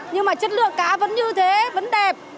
nhưng mà chất lượng cá vẫn như thế vẫn đẹp